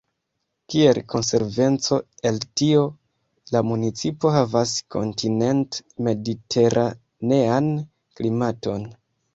Kiel konsekvenco el tio, la municipo havas kontinent-mediteranean klimaton.